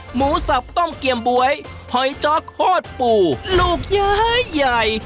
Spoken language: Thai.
หมูสับต้มเกียมบ๊วยหอยจ๊อกโคตรปูลูกย้ายใหญ่